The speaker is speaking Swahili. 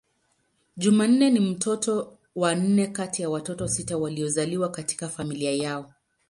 Jumanne ni mtoto wa nne kati ya watoto sita waliozaliwa katika familia yao.